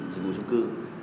dịch vụ trung cư